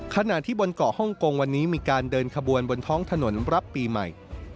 ขณะที่บนเกาะฮ่องกงวันนี้มีการเดินขบวนบนท้องถนนรับปีใหม่